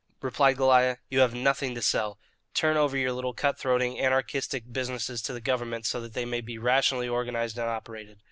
replied Goliah. "You have nothing to sell. Turn over your little cut throating, anarchistic businesses to the government so that they may be rationally organized and operated."